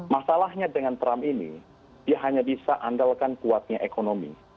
masalahnya dengan trump ini dia hanya bisa andalkan kuatnya ekonomi